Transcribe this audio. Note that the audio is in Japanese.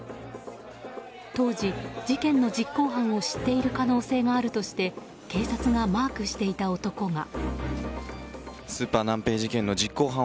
当時、事件の実行犯を知っている可能性があるとして警察がマークしていた男が。